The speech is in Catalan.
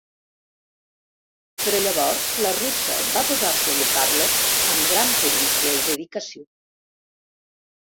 Però llavors la russa va posar-se a llepar-lo amb gran perícia i dedicació.